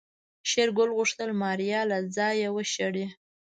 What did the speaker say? شېرګل غوښتل ماريا له ځايه وشړي.